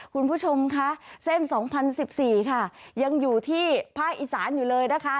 คุณผู้ชมค่ะเส้นสองพันสิบสี่ค่ะยังอยู่ที่ภาคอีสานอยู่เลยนะคะ